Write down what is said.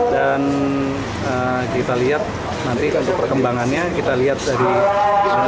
dan kita lihat nanti perkembangannya kita lihat dari cctv